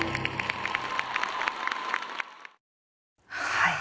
はい。